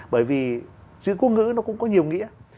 bởi vì chữ quốc ngữ nó cũng có nhiều nghĩa